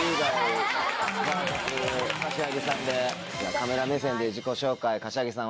カメラ目線で自己紹介柏木さん